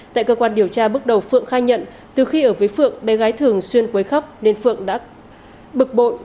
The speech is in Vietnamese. tại cơ quan điều tra bước đầu phượng khai nhận từ khi ở với phượng bé gái thường xuyên quấy khóc nên phượng đã bực bội